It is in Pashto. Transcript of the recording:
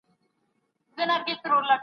همېشه به د مالِک ترشا روان ؤ